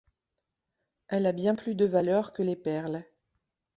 Elle a bien plus de valeur que les perles.